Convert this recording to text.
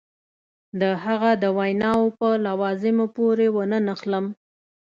د هغه د ویناوو په لوازمو پورې ونه نښلم.